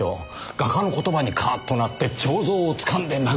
画家の言葉にカッとなって彫像をつかんで殴りかかる。